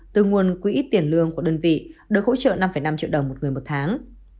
từ nguồn quỹ tiền lương của đơn vị được hỗ trợ năm năm triệu đồng một người một tháng